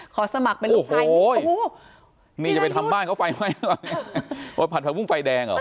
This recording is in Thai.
ขอสมัครเป็นลูกชายโอ้โหนี่จะไปทำบ้านเขาไฟไหมผัดผักปุ้งไฟแดง